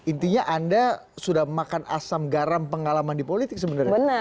intinya anda sudah makan asam garam pengalaman di politik sebenarnya